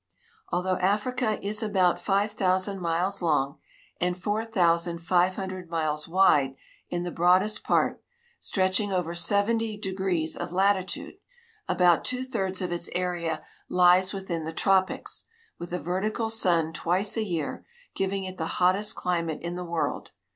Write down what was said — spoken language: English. Although Africa is about five thousand miles long and four thousand five hundred miles wide in the broadest part, stretch ing over seventy degrees of latitude, about two thirds of its area lies within the tropics, with a vertical sun twice a year, giving it the hottest climate in the world.